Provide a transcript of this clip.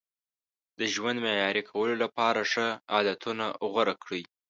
د ژوند معیاري کولو لپاره ښه عادتونه غوره کړئ.